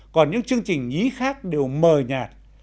còn những chương trình nhí khác đều mờ nhạt